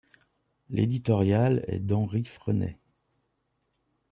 L'éditorial est d'Henri Frenay.